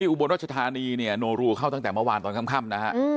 อุบลรัชธานีเนี่ยโนรูเข้าตั้งแต่เมื่อวานตอนค่ำนะฮะ